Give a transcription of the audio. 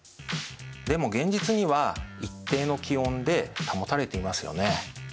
でも現実には一定の気温で保たれていますよね。